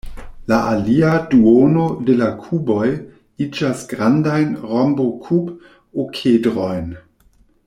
La alia duono de la kuboj iĝas grandajn rombokub-okedrojn.